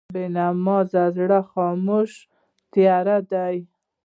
بېنمازه زړه خاموشه تیاره ده.